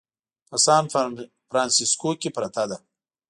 په سان فرانسیسکو کې پرته ده.